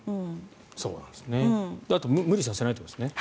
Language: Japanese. あと無理させないってことですね。